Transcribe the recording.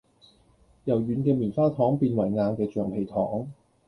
由軟嘅棉花糖變為硬嘅橡皮糖